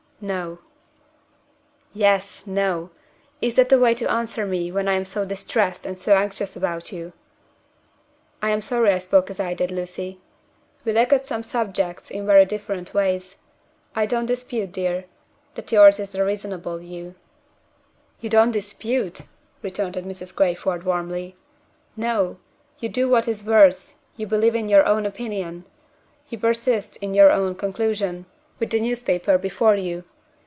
"No." "'Yes!' 'No!' Is that the way to answer me when I am so distressed and so anxious about you?" "I am sorry I spoke as I did, Lucy. We look at some subjects in very different ways. I don't dispute, dear, that yours is the reasonable view." "You don't dispute?" retorted Mrs. Crayford, warmly. "No! you do what is worse you believe in your own opinion; you persist in your own conclusion with the newspaper before you!